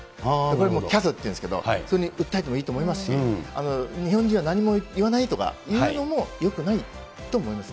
これもキャドっていうんですけど、それに訴えてもいいと思いますし、日本人は何も言わないとかいうのもよくないと思いますね。